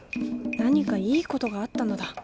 何かいいことがあったのだ。